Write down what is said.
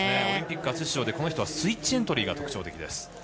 オリンピック初出場でこの人はスイッチエントリーが特徴的です。